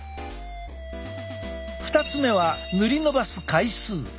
２つ目は塗り伸ばす回数。